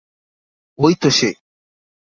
ঐ তো সে।